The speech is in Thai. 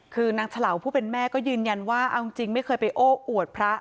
คือนางเฉลาผู้เป็นแม่ก็ยืนยันว่าเอาจริงไม่เคยไปโอ้อวดพระ